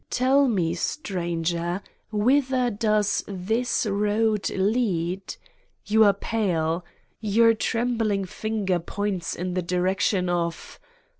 Tell Me, stranger: whither does this road lead? You are pale. Your 99 Satan's Diary trembling finger points in the direction of